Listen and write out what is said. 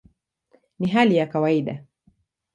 Ni hali ya kawaida".